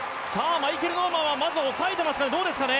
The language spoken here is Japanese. マイケル・ノーマンは抑えていますかね。